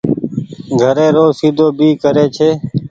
گهري رو سيڌو ڀي ڪري ڇي۔